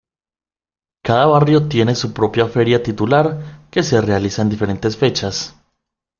Cada barrio tiene su propia feria titular que se realiza en diferentes fechas.